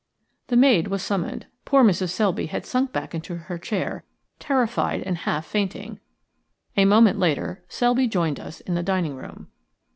The maid was summoned. Poor Mrs. Selby had sunk back in her chair, terrified and half fainting. A moment later Selby joined us in the dining room.